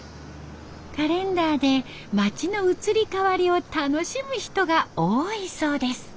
カレンダーで町の移り変わりを楽しむ人が多いそうです。